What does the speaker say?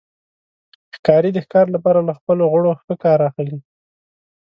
ښکاري د ښکار لپاره له خپلو غړو ښه کار اخلي.